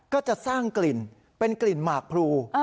ก็จะสร้างกลิ่นเป็นกลิ่นหมากพรู